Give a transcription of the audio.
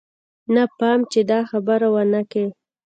نه پام چې دا خبره ونه کې.